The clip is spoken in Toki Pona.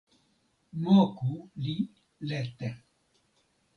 moku li lete.